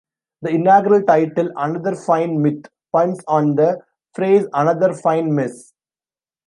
The inaugural title "Another Fine Myth" puns on the phrase "another fine mess".